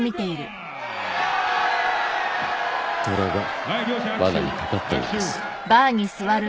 虎がわなにかかったようです。